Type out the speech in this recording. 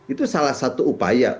itu salah satu upaya